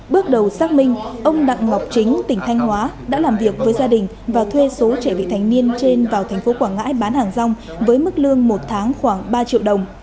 bước đầu xác minh ông đặng ngọc chính tỉnh thanh hóa đã làm việc với gia đình và thuê số trẻ vị thành niên trên vào thành phố quảng ngãi bán hàng rong với mức lương một tháng khoảng ba triệu đồng